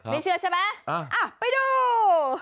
ไม่เชื่อใช่ไหมไปดู